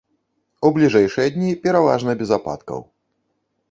У бліжэйшыя дні пераважна без ападкаў.